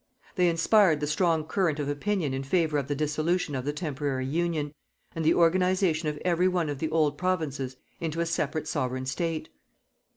They inspired the strong current of opinion in favour of the dissolution of the temporary Union, and the organization of every one of the old provinces into a separate Sovereign State.